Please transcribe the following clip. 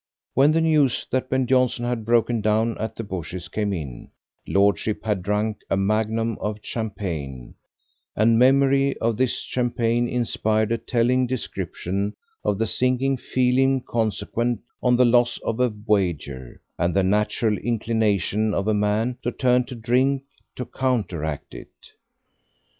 When the news that Ben Jonson had broken down at the bushes came in, lordship had drunk a magnum of champagne, and memory of this champagne inspired a telling description of the sinking feeling consequent on the loss of a wager, and the natural inclination of a man to turn to drink to counteract it.